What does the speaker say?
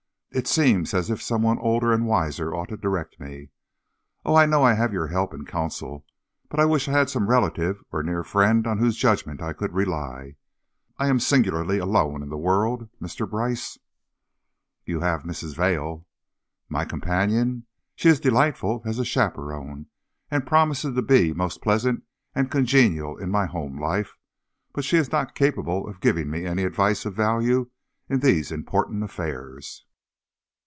It seems as if someone older and wiser ought to direct me. Oh, I know I have your help and counsel, but I wish I had some relative or near friend on whose judgment I could rely. I am singularly alone in the world, Mr. Brice." "You have Mrs. Vail?" "My companion? She is delightful as a chaperon and promises to be most pleasant and congenial in my home life, but she is not capable of giving me any advice of value in these important affairs."